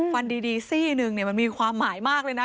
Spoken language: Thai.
ฟันดีซี่หนึ่งมันมีความหมายมากเลยนะ